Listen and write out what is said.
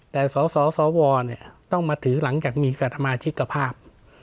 แต่สสวต้องมาถือหลังจากมีสมาชิกภาพ